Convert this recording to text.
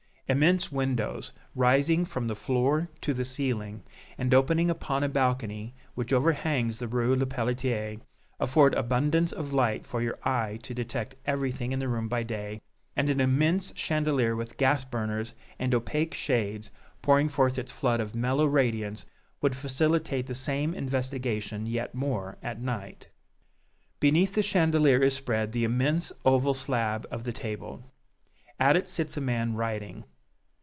Immense windows, rising from the floor to the ceiling, and opening upon a balcony, which overhangs the Rue Lepelletier, afford abundance of light for your eye to detect everything in the room by day, and an immense chandelier with gas burners and opaque shades, pouring forth its flood of mellow radiance, would facilitate the same investigation yet more at night. Beneath the chandelier is spread the immense oval slab of the table. At it sits a man writing.